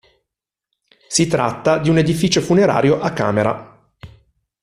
Si tratta di un edificio funerario a camera.